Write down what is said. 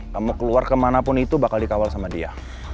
kamu keluar kemana pun itu bakal dikawal sama dia